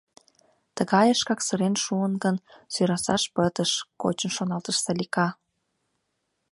«Тыгайышкак сырен шуын гын, сӧрасаш пытыш», — кочын шоналтыш Салика.